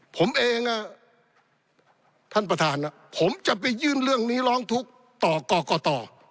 ผมเองท่านประธานผมจะไปยื่นเรื่องนี้ร้องทุกข์ต่อกรกต